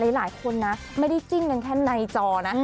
หลายคนนะไม่ได้จิ้นกันแค่ในจอนะ